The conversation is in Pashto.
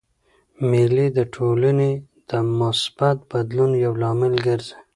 مېلې د ټولني د مثبت بدلون یو لامل ګرځي.